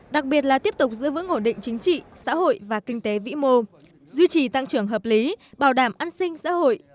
đặc biệt là tiếp tục giữ vững ổn định chính trị xã hội và kinh tế vĩ mô duy trì tăng trưởng hợp lý bảo đảm an sinh xã hội